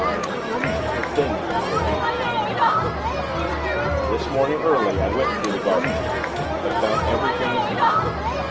XXV THE THING FROM THE ARENA This morning, early, I went through the gardens; but found everything as usual.